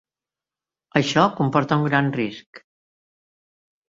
Això comporta un gran risc.